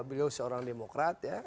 beliau seorang demokrat ya